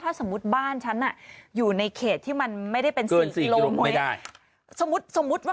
ถ้าสมมุติบ้านฉันน่ะอยู่ในเขตที่มันไม่ได้เป็นสี่กิโลเมตรสมมุติสมมุติว่า